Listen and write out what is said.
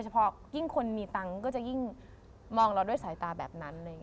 เพราะยิ่งคนมีตังค์ก็จะยิ่งมองเราด้วยสายตาแบบนั้น